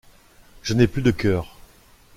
Je n’ai plus de cœur.